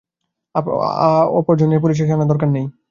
অপরজনের পরিচয় জানার দরকার নেই।